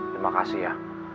terima kasih ya